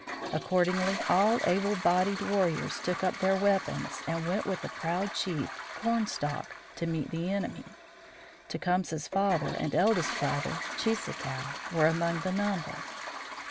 Accordingly, all able bodied warriors took up their weapons and went with the proud chief, Cornstalk, to meet the enemy. Tecumseh's father and eldest brother, Cheeseekau, were among the number.